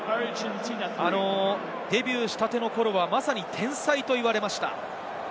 デビューしたての頃はまさに天才と言われました。